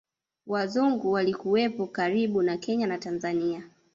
Wazungu walikuwepo karibu na Kenya na Tanzania